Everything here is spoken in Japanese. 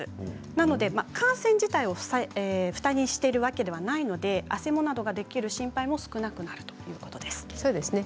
なので汗腺自体をふたしているわけではないのであせもなどができる心配も少なくなるということですね。